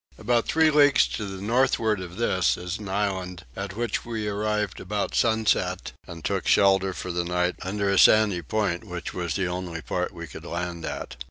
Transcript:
About three leagues to the northward of this is an island, at which we arrived about sunset, and took shelter for the night under a sandy point which was the only part we could land at.